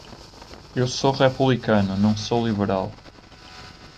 Eu sou republicano, não sou liberal.